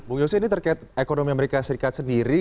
bung yose ini terkait ekonomi amerika serikat sendiri